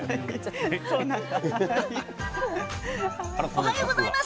おはようございます。